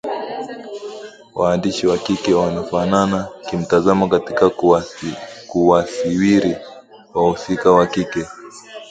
Waandishi wa kike wanafanana kimtazamo katika kuwasawiri wahusika wa kike